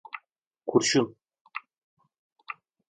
Kurşun.